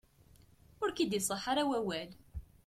Ur k-id-iṣaḥ ara wawal.